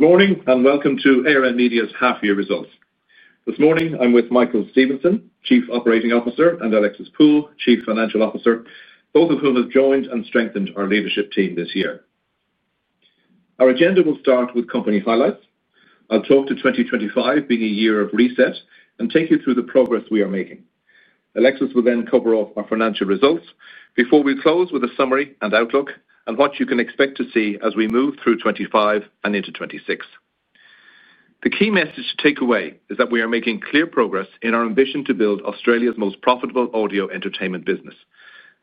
Good morning and welcome to ARN Media's half-year results. This morning, I'm with Michael Stephenson, Chief Operating Officer, and Alexis Poole, Chief Financial Officer, both of whom have joined and strengthened our leadership team this year. Our agenda will start with company highlights. I'll talk to 2025 being a year of reset and take you through the progress we are making. Alexis will then cover off our financial results before we close with a summary and outlook on what you can expect to see as we move through 2025 and into 2026. The key message to take away is that we are making clear progress in our ambition to build Australia's most profitable audio entertainment business.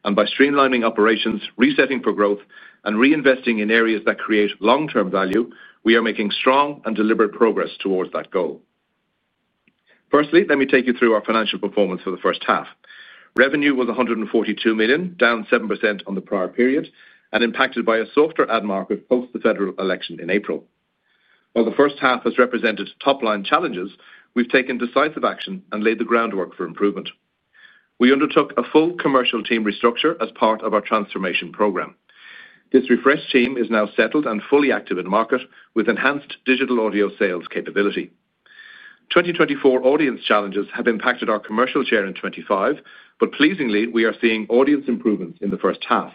By streamlining operations, resetting for growth, and reinvesting in areas that create long-term value, we are making strong and deliberate progress towards that goal. Firstly, let me take you through our financial performance for the first half. Revenue was $142 million, down 7% on the prior period, and impacted by a softer ad market post the federal election in April. While the first half has represented top-line challenges, we've taken decisive action and laid the groundwork for improvement. We undertook a full commercial team restructure as part of our transformation program. This refreshed team is now settled and fully active in the market with enhanced digital audio sales capability. 2024 audience challenges have impacted our commercial share in 2025, but pleasingly, we are seeing audience improvements in the first half.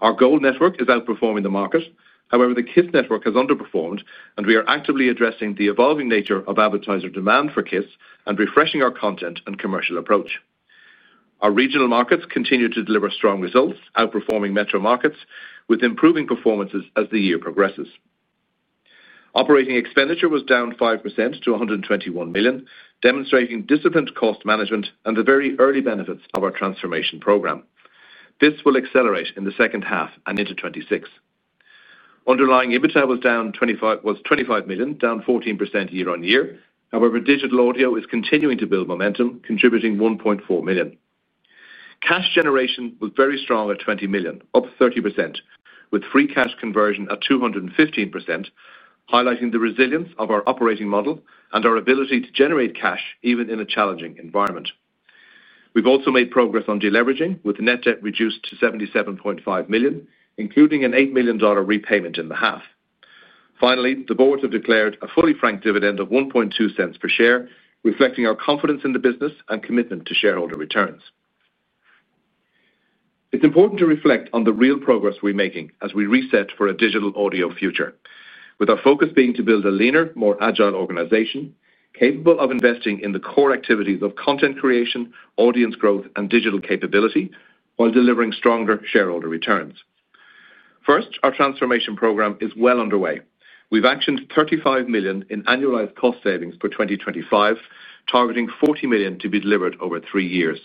Our GOLD Network is outperforming the market. However, the KIIS Network has underperformed, and we are actively addressing the evolving nature of advertiser demand for KIIS and refreshing our content and commercial approach. Our regional markets continue to deliver strong results, outperforming metro markets with improving performances as the year progresses. Operating expenditure was down 5% to $121 million, demonstrating disciplined cost management and the very early benefits of our transformation program. This will accelerate in the second half and into 2026. Underlying EBITDA was $25 million, down 14% year-on-year. However, digital audio is continuing to build momentum, contributing $1.4 million. Cash generation was very strong at $20 million, up 30%, with free cash conversion at 215%, highlighting the resilience of our operating model and our ability to generate cash even in a challenging environment. We've also made progress on deleveraging, with net debt reduced to $77.5 million, including an $8 million repayment in the half. Finally, the board has declared a fully franked interim dividend of $0.012 per share, reflecting our confidence in the business and commitment to shareholder returns. It's important to reflect on the real progress we're making as we reset for a digital audio future, with our focus being to build a leaner, more agile organization capable of investing in the core activities of content creation, audience growth, and digital capability while delivering stronger shareholder returns. First, our transformation program is well underway. We've actioned $35 million in annualized cost savings for 2025, targeting $40 million to be delivered over three years.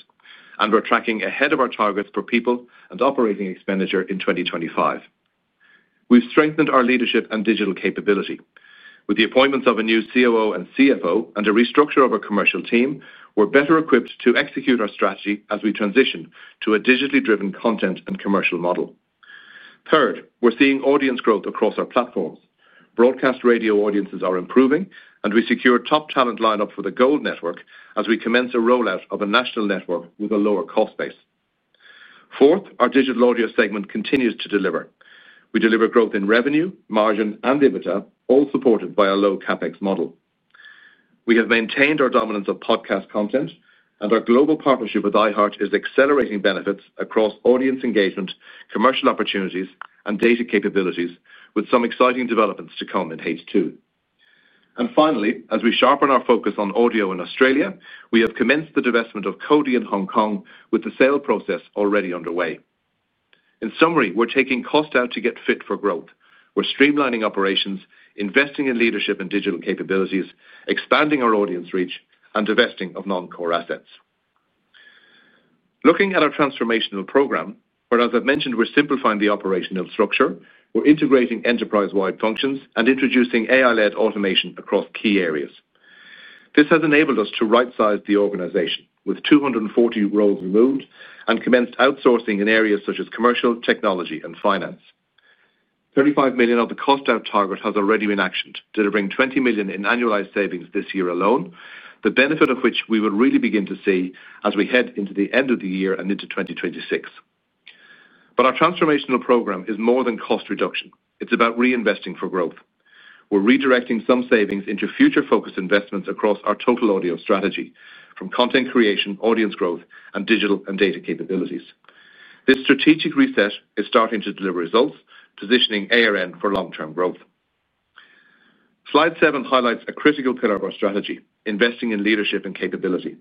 We're tracking ahead of our targets for people and operating expenditure in 2025. We've strengthened our leadership and digital capability. With the appointments of a new Chief Operating Officer and Chief Financial Officer and a restructure of our commercial team, we're better equipped to execute our strategy as we transition to a digitally driven content and commercial model. Third, we're seeing audience growth across our platforms. Broadcast radio audiences are improving, and we secure top talent lineups for the GOLD Network as we commence a rollout of a national network with a lower cost base. Fourth, our digital audio segment continues to deliver. We deliver growth in revenue, margin, and EBITDA, all supported by a low CapEx model. We have maintained our dominance of podcast content, and our global partnership with iHeart is accelerating benefits across audience engagement, commercial opportunities, and data capabilities, with some exciting developments to come in H2. Finally, as we sharpen our focus on audio in Australia, we have commenced the divestment of Cody in Hong Kong, with the sale process already underway. In summary, we're taking cost out to get fit for growth. We're streamlining operations, investing in leadership and digital capabilities, expanding our audience reach, and divesting of non-core assets. Looking at our transformational program, as I've mentioned, we're simplifying the operational structure, we're integrating enterprise-wide functions and introducing AI-led automation across key areas. This has enabled us to right-size the organization, with 240 roles removed and commenced outsourcing in areas such as commercial, technology, and finance. $35 million of the cost out target has already been actioned, delivering $20 million in annualized savings this year alone, the benefit of which we will really begin to see as we head into the end of the year and into 2026. Our transformational program is more than cost reduction. It's about reinvesting for growth. We're redirecting some savings into future focused investments across our total audio strategy, from content creation, audience growth, and digital and data capabilities. This strategic reset is starting to deliver results, positioning ARN Media for long-term growth. Slide seven highlights a critical pillar of our strategy, investing in leadership and capability.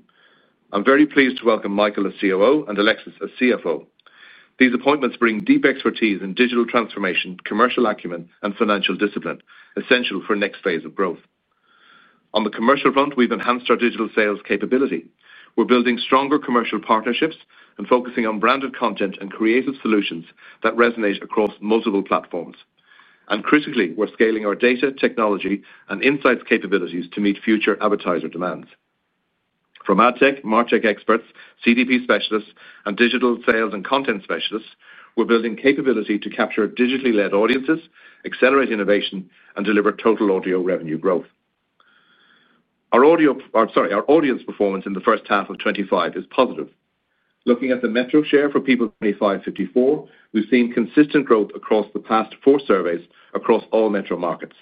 I'm very pleased to welcome Michael Stephenson as Chief Operating Officer and Alexis Poole as Chief Financial Officer. These appointments bring deep expertise in digital transformation, commercial acumen, and financial discipline, essential for the next phase of growth. On the commercial front, we've enhanced our digital sales capability. We're building stronger commercial partnerships and focusing on branded content and creative solutions that resonate across multiple platforms. Critically, we're scaling our data, technology, and insights capabilities to meet future advertiser demands. From ad tech, MarTech experts, CDP specialists, and digital sales and content specialists, we're building capability to capture digitally led audiences, accelerate innovation, and deliver total audio revenue growth. Our audience performance in the first half of 2025 is positive. Looking at the metro share for people 25-54, we've seen consistent growth across the past four surveys across all metro markets.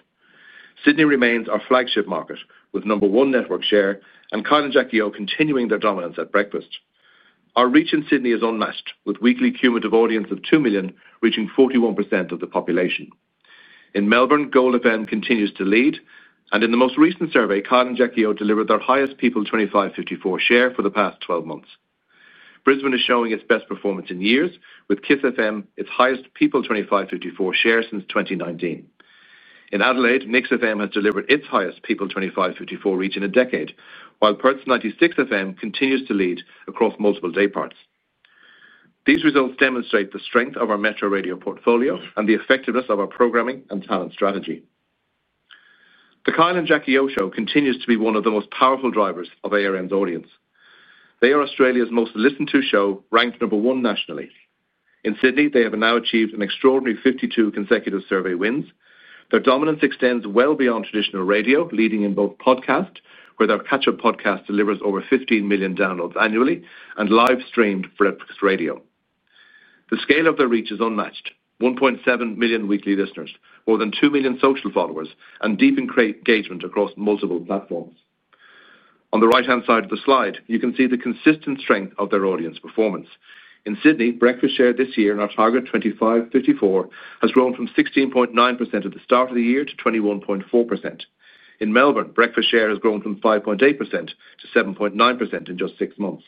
Sydney remains our flagship market with number one network share and The Kyle and Jackie O Show continuing their dominance at breakfast. Our reach in Sydney is unmatched, with weekly cumulative audience of 2 million reaching 41% of the population. In Melbourne, Gold FM continues to lead, and in the most recent survey, The Kyle and Jackie O Show delivered their highest people 25-54 share for the past 12 months. Brisbane is showing its best performance in years, with KIIS FM its highest people 25-54 share since 2019. In Adelaide, Mix FM has delivered its highest people 25-54 reach in a decade, while Perth's 96 FM continues to lead across multiple day parts. These results demonstrate the strength of our metro radio portfolio and the effectiveness of our programming and talent strategy. The Kyle and Jackie O Show continues to be one of the most powerful drivers of ARN Media's audience. They are Australia's most listened to show, ranked number one nationally. In Sydney, they have now achieved an extraordinary 52 consecutive survey wins. Their dominance extends well beyond traditional radio, leading in both podcasts, where their Catcher podcast delivers over 15 million downloads annually, and live-streamed breakfast radio. The scale of their reach is unmatched: 1.7 million weekly listeners, more than 2 million social followers, and deep engagement across multiple platforms. On the right-hand side of the slide, you can see the consistent strength of their audience performance. In Sydney, breakfast share this year in our target 25-54 has grown from 16.9% at the start of the year to 21.4%. In Melbourne, breakfast share has grown from 5.8% to 7.9% in just six months.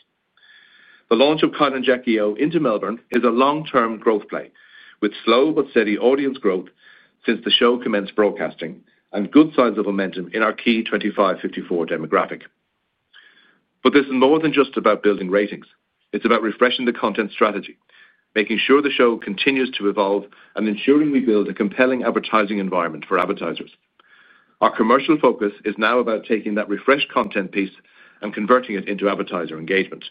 The launch of Kyle and Jackie O into Melbourne is a long-term growth play, with slow but steady audience growth since the show commenced broadcasting and good signs of momentum in our key 25-54 demographic. This is more than just about building ratings. It's about refreshing the content strategy, making sure the show continues to evolve, and ensuring we build a compelling advertising environment for advertisers. Our commercial focus is now about taking that refreshed content piece and converting it into advertiser engagement.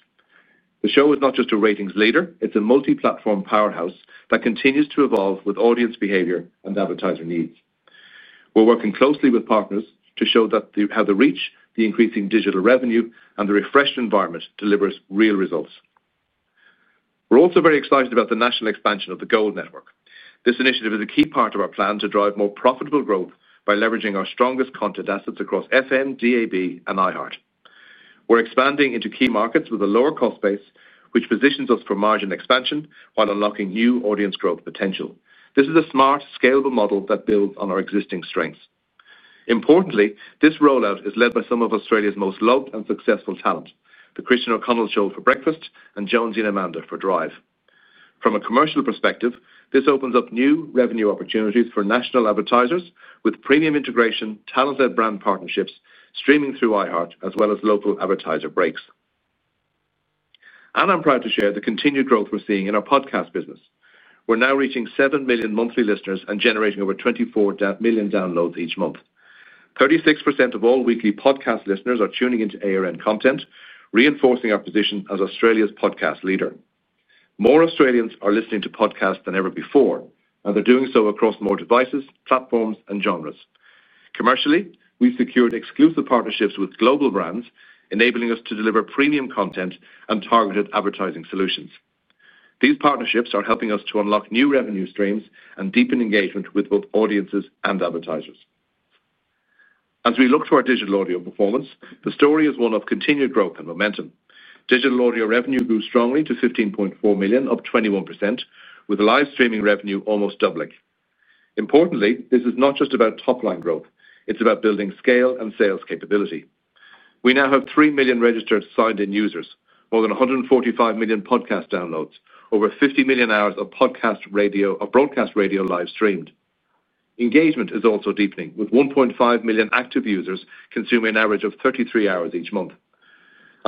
The show is not just a ratings leader; it's a multi-platform powerhouse that continues to evolve with audience behavior and advertiser needs. We're working closely with partners to show that the reach, the increasing digital revenue, and the refreshed environment deliver real results. We're also very excited about the national expansion of the GOLD Network. This initiative is a key part of our plan to drive more profitable growth by leveraging our strongest content assets across FM, DAB, and iHeart. We're expanding into key markets with a lower cost base, which positions us for margin expansion while unlocking new audience growth potential. This is a smart, scalable model that builds on our existing strengths. Importantly, this rollout is led by some of Australia's most loved and successful talent: The Christian O'Connell Show for Breakfast and Joan Zinamander for Drive. From a commercial perspective, this opens up new revenue opportunities for national advertisers with premium integration, talent-led brand partnerships, streaming through iHeart, as well as local advertiser breaks. I'm proud to share the continued growth we're seeing in our podcast business. We're now reaching 7 million monthly listeners and generating over 24 million downloads each month. 36% of all weekly podcast listeners are tuning into ARN content, reinforcing our position as Australia's podcast leader. More Australians are listening to podcasts than ever before, and they're doing so across more devices, platforms, and genres. Commercially, we've secured exclusive partnerships with global brands, enabling us to deliver premium content and targeted advertising solutions. These partnerships are helping us to unlock new revenue streams and deepen engagement with both audiences and advertisers. As we look to our digital audio performance, the story is one of continued growth and momentum. Digital audio revenue grew strongly to $15.4 million, up 21%, with live streaming revenue almost doubling. Importantly, this is not just about top-line growth. It's about building scale and sales capability. We now have 3 million registered signed-in users, more than 145 million podcast downloads, over 50 million hours of broadcast radio live-streamed. Engagement is also deepening, with 1.5 million active users consuming an average of 33 hours each month.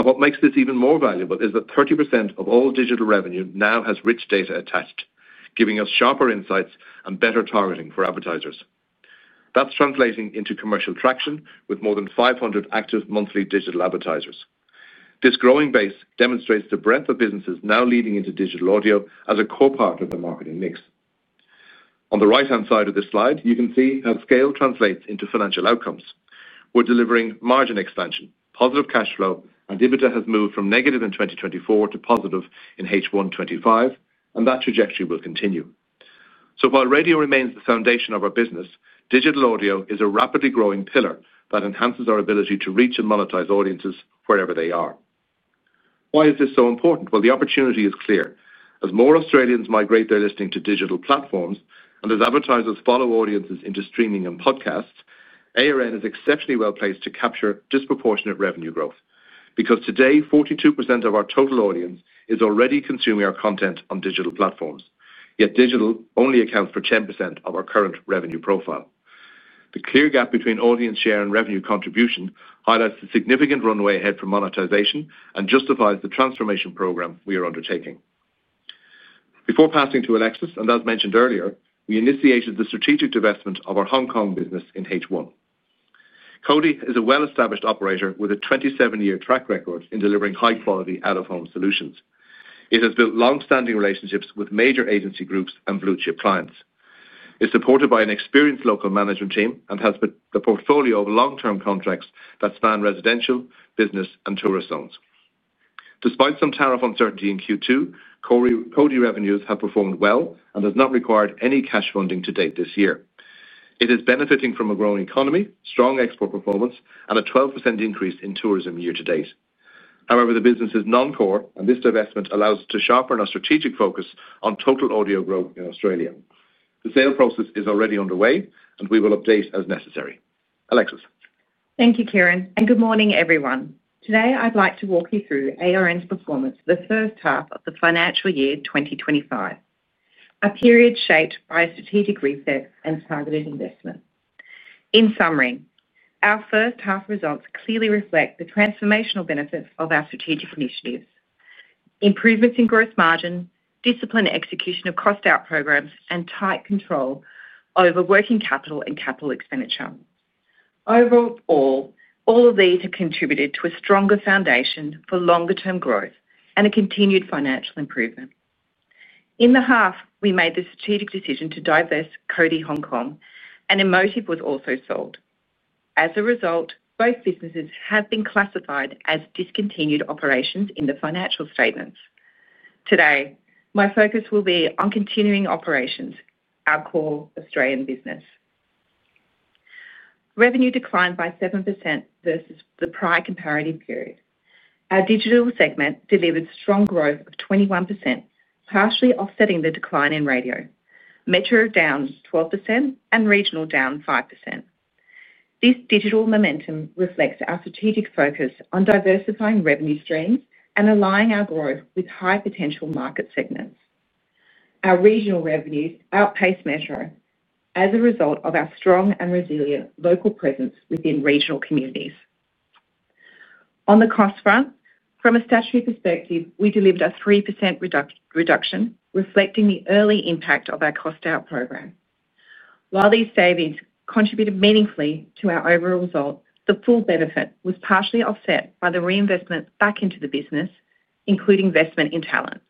What makes this even more valuable is that 30% of all digital revenue now has rich data attached, giving us sharper insights and better targeting for advertisers. That's translating into commercial traction with more than 500 active monthly digital advertisers. This growing base demonstrates the breadth of businesses now leading into digital audio as a core part of the marketing mix. On the right-hand side of this slide, you can see how scale translates into financial outcomes. We're delivering margin expansion, positive cash flow, and EBITDA has moved from negative in 2024 to positive in H1 2025, and that trajectory will continue. While radio remains the foundation of our business, digital audio is a rapidly growing pillar that enhances our ability to reach and monetize audiences wherever they are. The opportunity is clear. As more Australians migrate their listening to digital platforms, and as advertisers follow audiences into streaming and podcasts, ARN is exceptionally well placed to capture disproportionate revenue growth. Today, 42% of our total audience is already consuming our content on digital platforms, yet digital only accounts for 10% of our current revenue profile. The clear gap between audience share and revenue contribution highlights the significant runway ahead for monetization and justifies the transformation program we are undertaking. Before passing to Alexis, and as mentioned earlier, we initiated the strategic divestment of our Hong Kong business in H1. Kodi is a well-established operator with a 27-year track record in delivering high-quality out-of-home solutions. It has built long-standing relationships with major agency groups and blue-chip clients. It's supported by an experienced local management team and has the portfolio of long-term contracts that span residential, business, and tourist zones. Despite some tariff uncertainty in Q2, Cody revenues have performed well and have not required any cash funding to date this year. It is benefiting from a growing economy, strong export performance, and a 12% increase in tourism year to date. However, the business is non-core, and this divestment allows us to sharpen our strategic focus on total audio growth in Australia. The sale process is already underway, and we will update as necessary. Alexis. Thank you, Ciaran, and good morning, everyone. Today, I'd like to walk you through ARN Media's performance for the first half of the financial year 2025, a period shaped by a strategic reset and targeted investment. In summary, our first half results clearly reflect the transformational benefits of our strategic initiatives: improvements in gross margin, disciplined execution of cost-out programs, and tight control over working capital and capital expenditure. Overall, all of these have contributed to a stronger foundation for longer-term growth and a continued financial improvement. In the half, we made the strategic decision to divest Cody Outdoor in Hong Kong, and Emotive Pty Limited was also sold. As a result, both businesses have been classified as discontinued operations in the financial statements. Today, my focus will be on continuing operations, our core Australian business. Revenue declined by 7% versus the prior comparative period. Our digital audio segment delivered strong growth of 21%, partially offsetting the decline in radio. Metro declined 12% and regional declined 5%. This digital momentum reflects our strategic focus on diversifying revenue streams and aligning our growth with high-potential market segments. Our regional revenues outpaced metro as a result of our strong and resilient local presence within regional communities. On the cost front, from a statutory perspective, we delivered a 3% reduction, reflecting the early impact of our cost-out program. While these savings contributed meaningfully to our overall result, the full benefit was partially offset by the reinvestment back into the business, including investment in talent,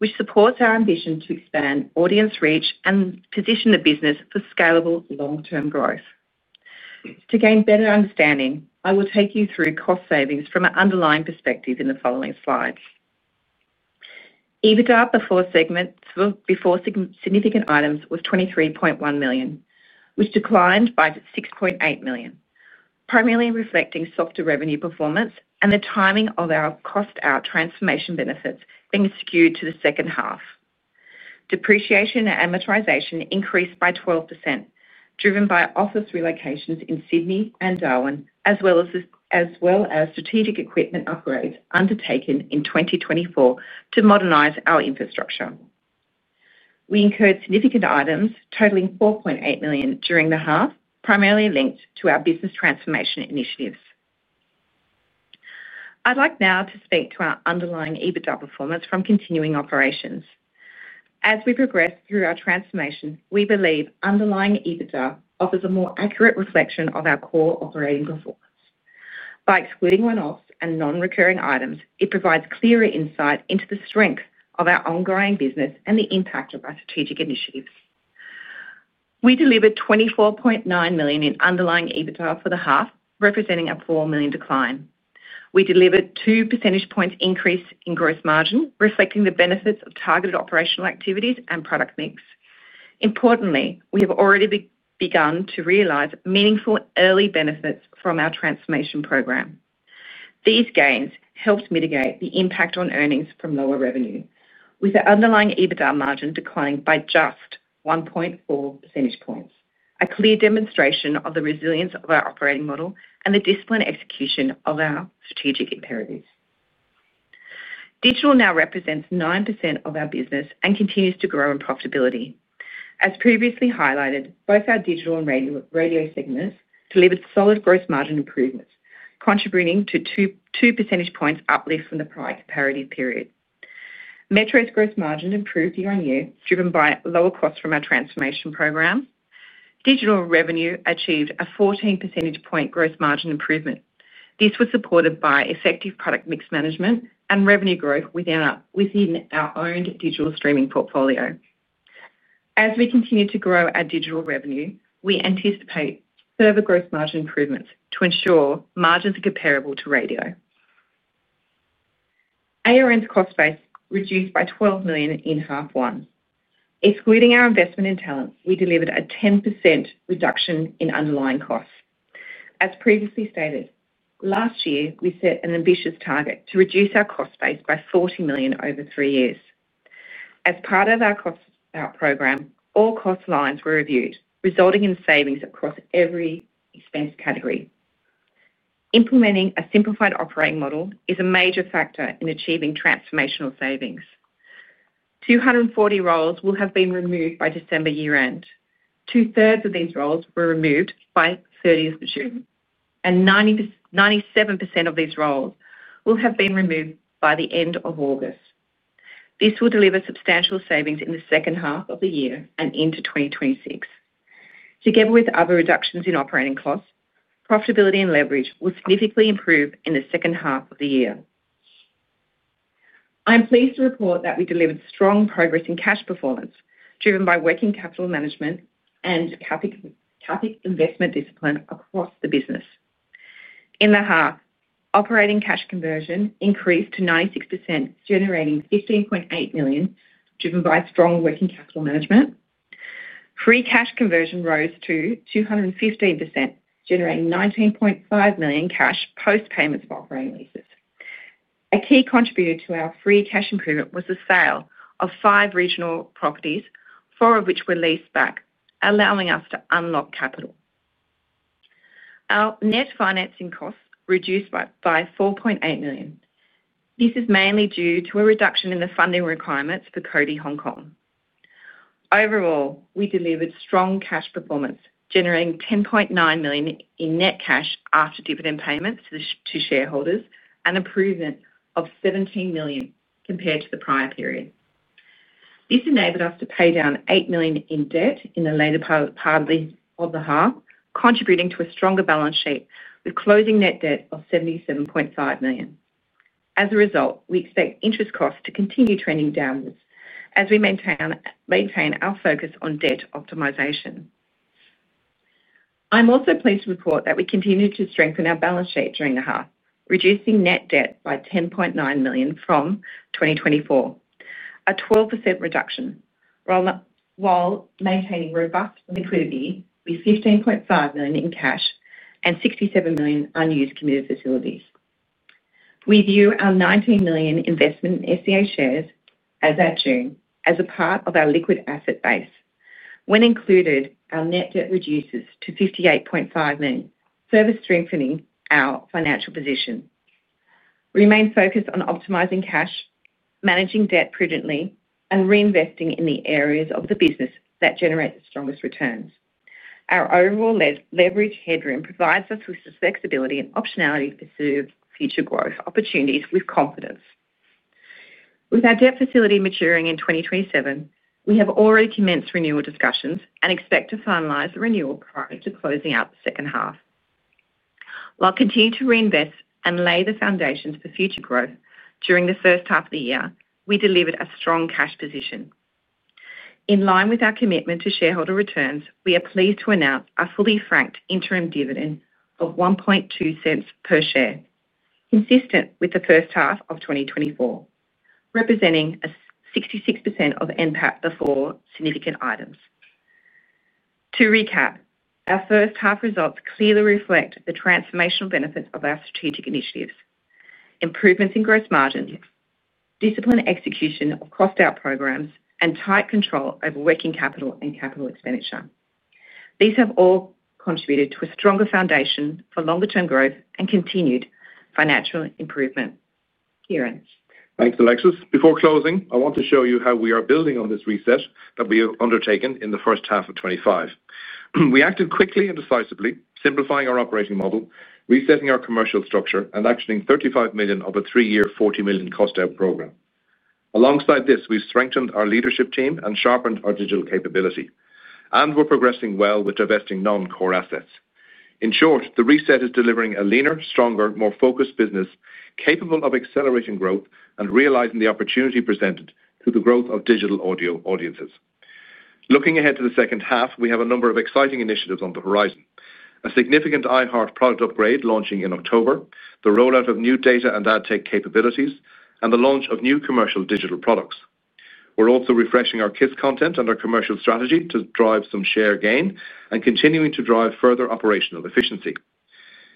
which supports our ambition to expand audience reach and position the business for scalable long-term growth. To gain better understanding, I will take you through cost savings from an underlying perspective in the following slides. EBITDA performance significant items was $23.1 million, which declined by $6.8 million, primarily reflecting softer revenue performance and the timing of our cost-out transformation benefits being skewed to the second half. Depreciation and amortization increased by 12%, driven by office relocations in Sydney and Darwin, as well as strategic equipment upgrades undertaken in 2024 to modernize our infrastructure. We incurred significant items totaling $4.8 million during the half, primarily linked to our business transformation initiatives. I'd like now to speak to our underlying EBITDA performance from continuing operations. As we progress through our transformation, we believe underlying EBITDA offers a more accurate reflection of our core operating performance. By excluding one-offs and non-recurring items, it provides clearer insight into the strength of our ongoing business and the impact of our strategic initiatives. We delivered $24.9 million in underlying EBITDA for the half, representing a $4 million decline. We delivered 2 percentage points increase in gross margin, reflecting the benefits of targeted operational activities and product mix. Importantly, we have already begun to realize meaningful early benefits from our transformation program. These gains helped mitigate the impact on earnings from lower revenue, with our underlying EBITDA margin declining by just 1.4 percentage points, a clear demonstration of the resilience of our operating model and the disciplined execution of our strategic imperatives. Digital now represents 9% of our business and continues to grow in profitability. As previously highlighted, both our digital and radio segments delivered solid gross margin improvements, contributing to 2 percentage points uplift from the prior comparative period. Metro's gross margin improved year-on-year, driven by lower costs from our transformation program. Digital revenue achieved a 14 percentage point gross margin improvement. This was supported by effective product mix management and revenue growth within our owned digital streaming portfolio. As we continue to grow our digital revenue, we anticipate further gross margin improvements to ensure margins are comparable to radio. ARN's cost base reduced by $12 million in half one. Excluding our investment in talent, we delivered a 10% reduction in underlying costs. As previously stated, last year we set an ambitious target to reduce our cost base by $40 million over three years. As part of our cost-out program, all cost lines were reviewed, resulting in savings across every expense category. Implementing a simplified operating model is a major factor in achieving transformational savings. 240 roles will have been removed by December year-end. Two-thirds of these roles were removed by June 30, and 97% of these roles will have been removed by the end of August. This will deliver substantial savings in the second half of the year and into 2026. Together with other reductions in operating costs, profitability and leverage will significantly improve in the second half of the year. I'm pleased to report that we delivered strong progress in cash performance, driven by working capital management and CapEx investment discipline across the business. In the half, operating cash conversion increased to 96%, generating $15.8 million, driven by strong working capital management. Free cash conversion rose to 215%, generating $19.5 million cash post-payments of operating leases. A key contributor to our free cash improvement was the sale of five regional properties, four of which were leased back, allowing us to unlock capital. Our net financing costs reduced by $4.8 million. This is mainly due to a reduction in the funding requirements for Kodi Outdoor Hong Kong. Overall, we delivered strong cash performance, generating $10.9 million in net cash after dividend payments to shareholders and improvement of $17 million compared to the prior period. This enabled us to pay-down $8 million in debt in the later part of the half, contributing to a stronger balance sheet with closing net debt of $77.5 million. As a result, we expect interest costs to continue trending downward as we maintain our focus on debt optimization. I'm also pleased to report that we continued to strengthen our balance sheet during the half, reducing net debt by $10.9 million from 2024, a 12% reduction, while maintaining robust liquidity with $15.5 million in cash and $67 million unused committed facilities. We view our $19 million investment in SCA shares as at June as a part of our liquid asset base. When included, our net debt reduces to $58.5 million, further strengthening our financial position. We remain focused on optimizing cash, managing debt prudently, and reinvesting in the areas of the business that generate the strongest returns. Our overall leverage headroom provides us with flexibility and optionality to serve future growth opportunities with confidence. With our debt facility maturing in 2027, we have already commenced renewal discussions and expect to finalize the renewal prior to closing out the second half. While continuing to reinvest and lay the foundations for future growth during the first half of the year, we delivered a strong cash position. In line with our commitment to shareholder returns, we are pleased to announce a fully franked interim dividend of $0.012 per share, consistent with the first half of 2024, representing 66% of the four significant items. To recap, our first half results clearly reflect the transformational benefits of our strategic initiatives: improvements in gross margins, disciplined execution of cost-out programs, and tight control over working capital and capital expenditure. These have all contributed to a stronger foundation for longer-term growth and continued financial improvement. Ciaran. Thanks, Alexis. Before closing, I want to show you how we are building on this reset that we have undertaken in the first half of 2025. We acted quickly and decisively, simplifying our operating model, resetting our commercial structure, and actioning $35 million of a three-year $40 million cost-out program. Alongside this, we strengthened our leadership team and sharpened our digital capability, and we're progressing well with divesting non-core assets. In short, the reset is delivering a leaner, stronger, more focused business capable of accelerating growth and realizing the opportunity presented to the growth of digital audio audiences. Looking ahead to the second half, we have a number of exciting initiatives on the horizon: a significant iHeart product upgrade launching in October, the rollout of new data and ad tech capabilities, and the launch of new commercial digital products. We're also refreshing our KIIS content and our commercial strategy to drive some share gain and continuing to drive further operational efficiency.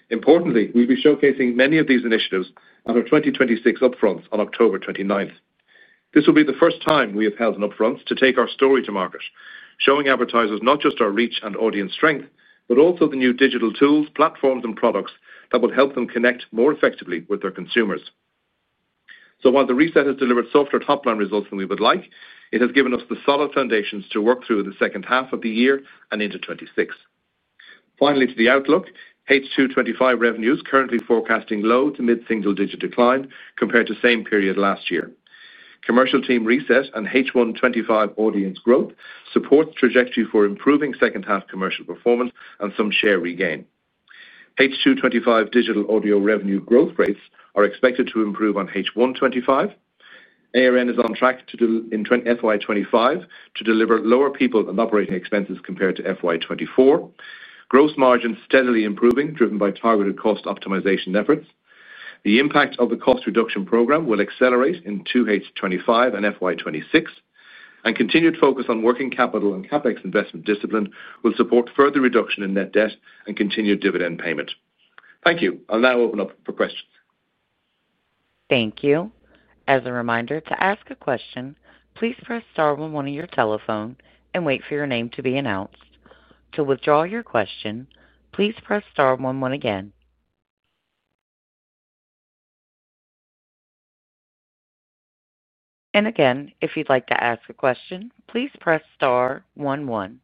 Importantly, we'll be showcasing many of these initiatives at our 2026 upfront on October 29. This will be the first time we have held an upfront to take our story to market, showing advertisers not just our reach and audience strength, but also the new digital tools, platforms, and products that will help them connect more effectively with their consumers. While the reset has delivered softer top-line results than we would like, it has given us the solid foundations to work through the second half of the year and into 2026. Finally, to the outlook, H2 2025 revenues are currently forecasting low to mid-single-digit decline compared to the same period last year. Commercial team reset and H1 2025 audience growth support the trajectory for improving second-half commercial performance and some share regain. H2 2025 digital audio revenue growth rates are expected to improve on H1 2025. ARN Media is on track in FY 2025 to deliver lower people and operating expenses compared to FY 2024, gross margins steadily improving, driven by targeted cost optimization efforts. The impact of the cost reduction program will accelerate in H2 2025 and FY 2026, and continued focus on working capital and CapEx investment discipline will support further reduction in net debt and continued dividend payment. Thank you. I'll now open up for questions. Thank you. As a reminder, to ask a question, please press star one-one on your telephone and wait for your name to be announced. To withdraw your question, please press star one-one again. If you'd like to ask a question, please press star one-one.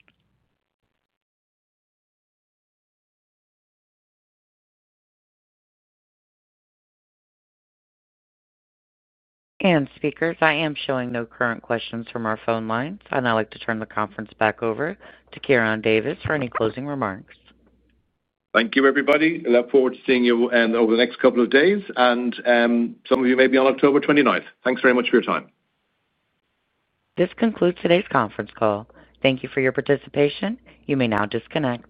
Speakers, I am showing no current questions from our phone lines, and I'd like to turn the conference back over to Ciaran Davis for any closing remarks. Thank you, everybody. I look forward to seeing you over the next couple of days, and some of you may be on October 29th. Thanks very much for your time. This concludes today's conference call. Thank you for your participation. You may now disconnect.